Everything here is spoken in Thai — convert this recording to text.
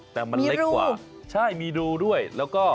แต่มันเล็กกว่า